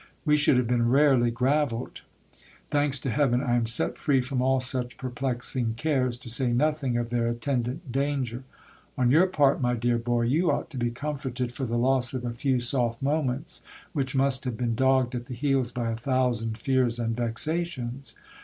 We should have been rarely gravelled ! Thanks to heaven, I am set free from all such perplexing cares, to say nothing of their attendant danger. On your part, my dear boy, you ought to be comforted for the loss of a few s Dft moments, which must have been dogged at the heels by a thousand fears and vexations.